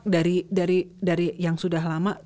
dari yang sudah lama